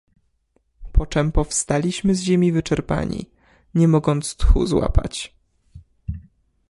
"Poczem powstaliśmy z ziemi wyczerpani, nie mogąc tchu złapać."